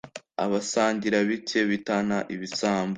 Abasangira bike bitana ibisambo.